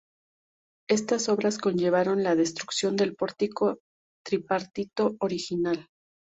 Estas obras conllevaron la destrucción del pórtico tripartito original.